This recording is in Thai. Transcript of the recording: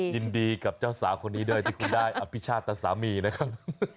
ยินดีกับเจ้าสาวคนนี้ด้วยที่คุณได้อภิชาตสามีนะครับ